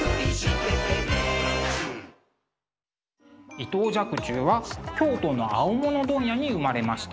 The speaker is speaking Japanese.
伊藤若冲は京都の青物問屋に生まれました。